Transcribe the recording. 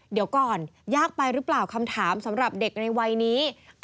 เดี๋ยวก่อนยากไปหรือเปล่าคำถามสำหรับเด็กในวัยนี้